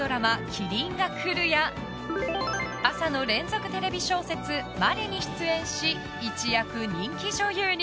「麒麟がくる」や朝の連続テレビ小説「まれ」に出演し一躍、人気女優に。